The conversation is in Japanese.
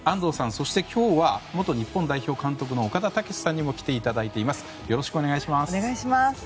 そして、今日は元日本代表監督の岡田武史さんにも来ていただいています。